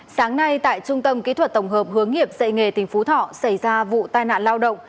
sáng nay tại trung tâm kỹ thuật tổng hợp hướng nghiệp dạy nghề tỉnh phú thọ xảy ra vụ tai nạn lao động